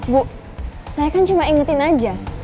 bu saya kan cuma ingetin aja